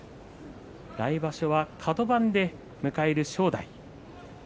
来場所はカド番で迎える正代。